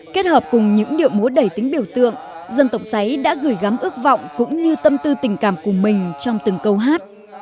kết hợp cùng những điệu múa đầy tính biểu tượng dân tộc sáy đã gửi gắm ước vọng cũng như tâm tư tình cảm của mình trong từng câu hát